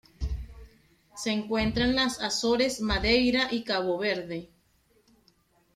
Se encuentra en las Azores, Madeira y Cabo Verde.